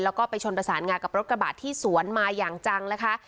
แล้วก็ไปชนประสานงากับรถกระบะที่สวนมาอย่างจังนะคะ